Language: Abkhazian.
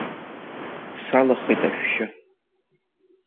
Салахеит ашәшьы.